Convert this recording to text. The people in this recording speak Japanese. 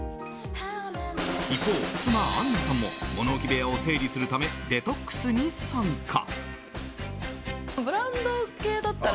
一方、妻あんなさんも物置部屋を整理するためデトックスに参加。